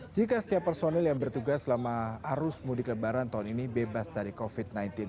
jika setiap personil yang bertugas selama arus mudik lebaran tahun ini bebas dari covid sembilan belas